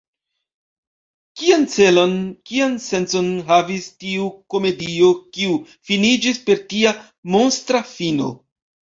Kian celon, kian sencon havis tiu komedio, kiu finiĝis per tia monstra fino?